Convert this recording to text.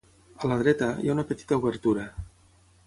A la dreta, hi ha una petita obertura.